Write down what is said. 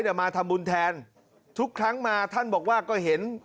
มาทำบุญแทนทุกครั้งมาท่านบอกว่าก็เห็น